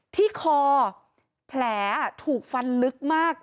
ที่คอแผลถูกฟันลึกมาก